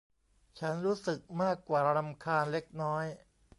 ฉันรู้สึกมากกว่ารำคาญเล็กน้อย